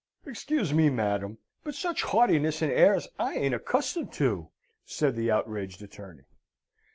"Excuse me, madam, but such haughtiness and airs I ain't accustomed to!" said the outraged attorney.